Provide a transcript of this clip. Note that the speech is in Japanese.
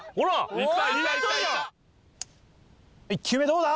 １球目どうだ？